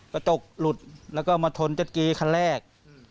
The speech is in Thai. กระจกหลุดแล้วก็มาชนเจ็ดกี้คันแรก